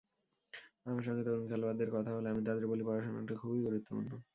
আমার সঙ্গে তরুণ খেলোয়াড়দের কথা হলে আমি তাদের বলি, পড়াশোনাটা খুবই গুরুত্বপূর্ণ।